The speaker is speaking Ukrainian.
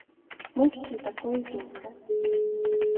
Ми всі такої думки.